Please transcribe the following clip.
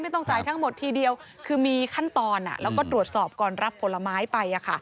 ต้องจ่ายทั้งหมดทีเดียวคือมีขั้นตอนแล้วก็ตรวจสอบก่อนรับผลไม้ไป